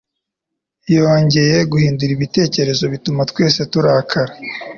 Yongeye guhindura ibitekerezo, bituma twese turakara.